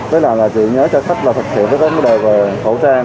với lại là chị nhớ cho khách là thực hiện với các vấn đề về khẩu trang